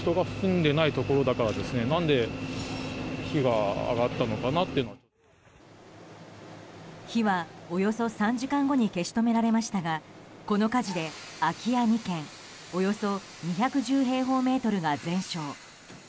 火はおよそ３時間後に消し止められましたがこの火事で空き家２軒およそ２１０平方メートルが全焼。